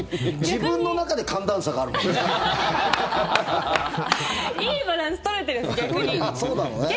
自分の中で寒暖差があるもんね。